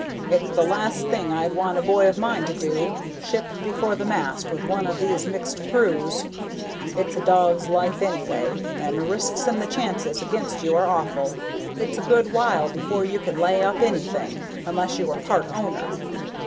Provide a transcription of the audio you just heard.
It's the last thing I'd want a boy of mine to do, ship before the mast with one of these mixed crews. It's a dog's life, anyway, and the risks and the chances against you are awful. It's a good while before you can lay up anything, unless you are part owner.